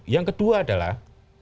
yang kedua adalah